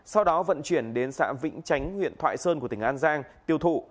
sau đó vận chuyển đến xã vĩnh chánh huyện thoại sơn của tỉnh an giang tiêu thụ